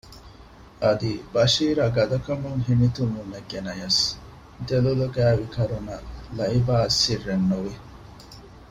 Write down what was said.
އަދި ބަޝީރާ ގަދަކަމުން ހިނިތުންވުމެއް ގެނަޔަސް ދެލޮލުގައިވި ކަރުނަ ލައިބާއަށް ސިއްރެއްނުވި